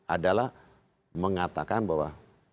adalah mengatakan bahwa